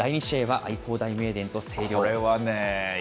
第２試合は愛工大名電と星稜。